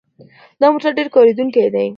دا موټر ډېر کارېدونکی دی.